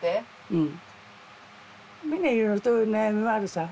うん。